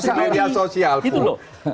sebenarnya ada di amazon ide sosial